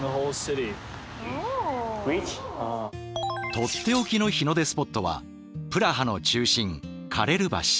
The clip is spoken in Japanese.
とっておきの日の出スポットはプラハの中心カレル橋。